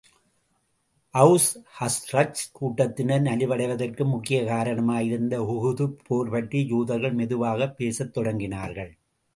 Aws, Khazraj கூட்டத்தினர் நலிவடைவதற்கு முக்கியக் காரணமாயிருந்த உஹதுப் போர் பற்றி யூதர்கள் மெதுவாகப் பேசத் தொடங்கினார்கள்.